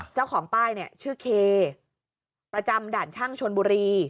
เจ้าของป้ายเนี่ยชื่อเคประจำด่านช่างชนบุรี